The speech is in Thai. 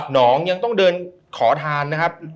น้องยังต้องเดินขอทานนะครับ